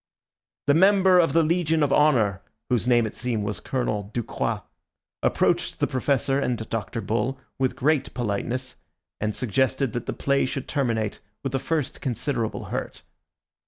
The member of the Legion of Honour, whose name it seemed was Colonel Ducroix, approached the Professor and Dr. Bull with great politeness, and suggested that the play should terminate with the first considerable hurt.